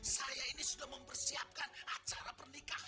saya ini sudah mempersiapkan acara pernikahannya pak